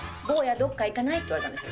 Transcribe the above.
どっか行かない？って言われたんですよ。